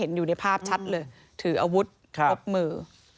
อยู่ในภาพชัดเลยถืออาวุธครบมือ